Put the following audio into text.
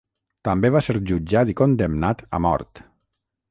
També va ser jutjat i condemnat a mort.